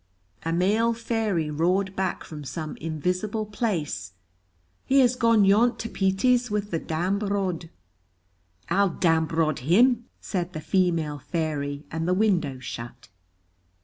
A male fairy roared back from some invisible place, "He has gone yont to Petey's wi' the dambrod." "I'll dambrod him!" said the female fairy, and the window shut.